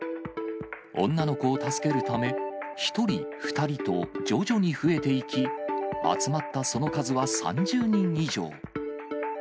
女の子を助けるため、１人、２人と徐々に増えていき、集まったその数は３０人以上。